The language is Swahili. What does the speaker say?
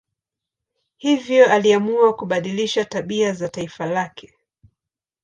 Hivyo aliamua kubadilisha tabia za taifa lake.